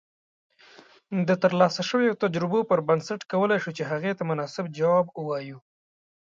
د ترلاسه شويو تجربو پر بنسټ کولای شو چې هغې ته مناسب جواب اوایو